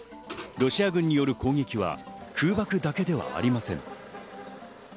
ロシア軍による攻撃は空爆だけではありません。